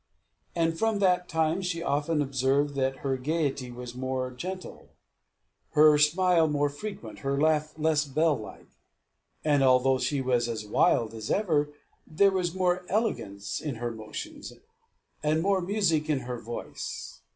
And from that time she often observed that her gaiety was more gentle, her smile more frequent, her laugh less bell like; and although she was as wild as ever, there was more elegance in her motions, and more music in her voice.